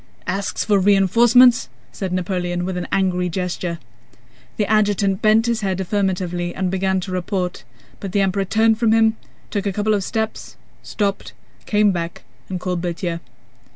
"Asks for reinforcements?" said Napoleon with an angry gesture. The adjutant bent his head affirmatively and began to report, but the Emperor turned from him, took a couple of steps, stopped, came back, and called Berthier.